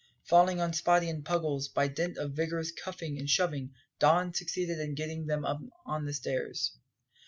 Falling on Spottie and Puggles, by dint of vigorous cuffing and shoving Don succeeded in getting them on the stairs.